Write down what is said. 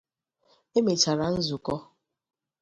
e mechara nzukọ